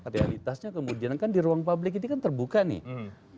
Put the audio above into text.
realitasnya kemudian kan di ruang publik ini kan terbuka nih